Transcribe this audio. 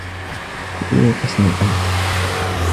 في أي قسم أنت؟